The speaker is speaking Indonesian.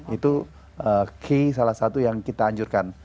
itu key salah satu yang kita anjurkan